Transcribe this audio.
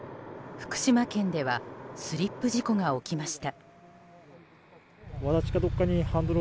福島県ではスリップ事故が起きました。